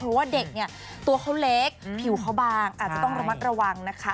เพราะว่าเด็กเนี่ยตัวเขาเล็กผิวเขาบางอาจจะต้องระมัดระวังนะคะ